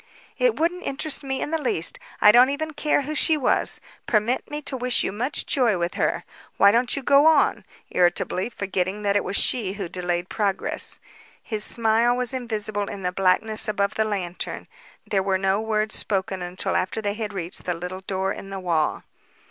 "It wouldn't interest me in the least. I don't even care who she was. Permit me to wish you much joy with her. Why don't you go on?" irritably, forgetting that it was she who delayed progress. His smile was invisible in the blackness above the lantern. There were no words spoken until after they had reached the little door in the wall.